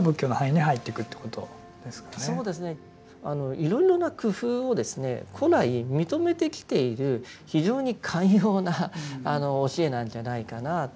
いろいろな工夫を古来認めてきている非常に寛容な教えなんじゃないかなあというふうに思います。